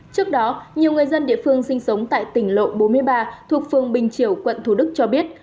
trước đó nhiều người dân địa phương sinh sống tại tỉnh lộ bốn mươi ba thuộc phương bình triều quận thủ đức cho biết